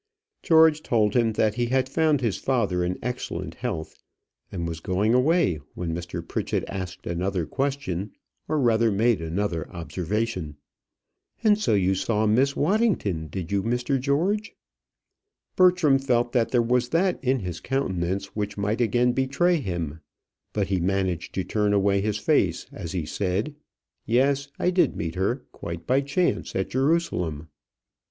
George told him that he had found his father in excellent health, and was going away, when Mr. Pritchett asked another question, or rather made another observation. "And so you saw Miss Waddington, did you, Mr. George?" Bertram felt that there was that in his countenance which might again betray him; but he managed to turn away his face as he said, "Yes, I did meet her, quite by chance, at Jerusalem."